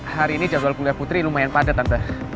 hari ini jadwal kuliah putri lumayan padet tante